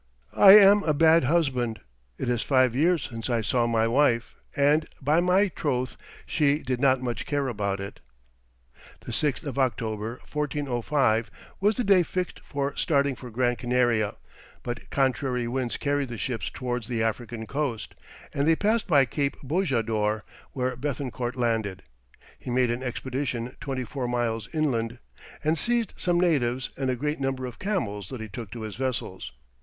I am a bad husband. It is five years since I saw my wife, and, by my troth, she did not much care about it." The 6th of October, 1405, was the day fixed for starting for Gran Canaria, but contrary winds carried the ships towards the African coast, and they passed by Cape Bojador, where Béthencourt landed. He made an expedition twenty four miles inland, and seized some natives and a great number of camels that he took to his vessels.